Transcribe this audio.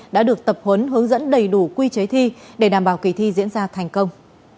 đã được tập huấn hướng dẫn đầy đủ quy chế thi để đảm bảo kỳ thi diễn ra thành công